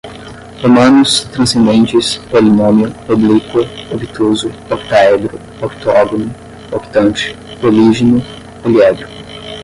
romanos, transcendentes, polinômio, oblíqua, obtuso, octaedro, octógono, octante, polígino, poliedro